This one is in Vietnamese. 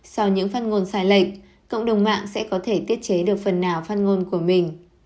sau những phát ngôn sai lệch cộng đồng mạng sẽ có thể tiết chế được phần nào phát ngôn của mình